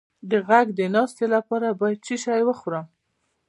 د غږ د ناستې لپاره باید څه شی وخورم؟